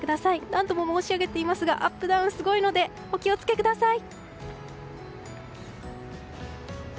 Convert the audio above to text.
何度も申し上げていますがアップダウンがすごいのでお気を付けください！